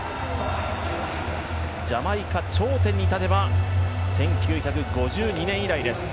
ジャマイカ、頂点に立てば１９５２年以来です。